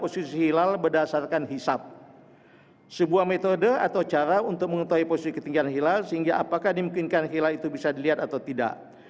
sebuah metode atau cara untuk mengetahui posisi ketinggian hilal sehingga apakah dimungkinkan hilal itu bisa dilihat atau tidak